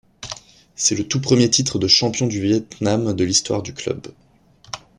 C'est le tout premier titre de champion du Vietnam de l'histoire du club.